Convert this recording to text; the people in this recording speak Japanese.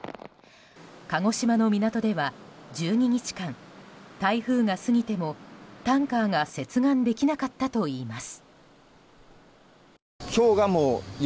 鹿児島の港では１２日間台風が過ぎてもタンカーが接岸できなかったといいます。